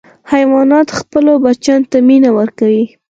حیوانات خپلو بچیو ته مینه ورکوي.